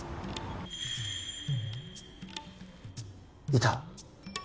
いた！